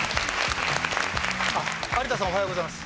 あっ有田さんおはようございます。